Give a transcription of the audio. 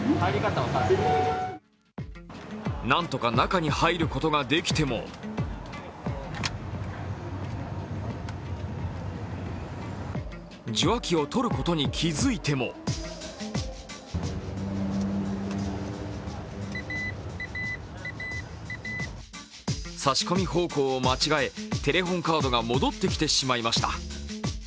なんとか中に入ることができても受話器を取ることに気づいても差し込み方向を間違えテレホンカードが戻ってきてしまいました。